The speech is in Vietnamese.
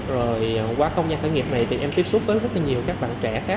rồi qua không gian khởi nghiệp này thì em tiếp xúc với rất là nhiều các bạn trẻ khác